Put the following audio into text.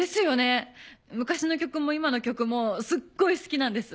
昔の曲も今の曲もすっごい好きなんです。